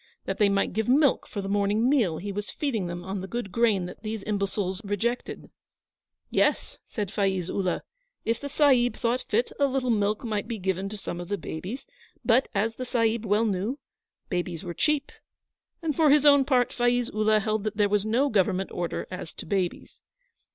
That they might give milk for the morning meal, he was feeding them on the good grain that these imbeciles rejected. 'Yes,' said Faiz Ullah; 'if the Sahib thought fit, a little milk might be given to some of the babies'; but, as the Sahib well knew, babies were cheap, and, for his own part, Faiz Ullah held that there was no Government order as to babies.